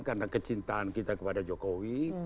karena kecintaan kita kepada jokowi